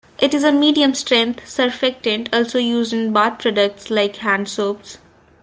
It is a medium strength surfactant also used in bath products like hand soaps.